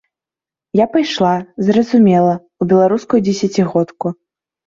Я пайшла, зразумела, у беларускую дзесяцігодку.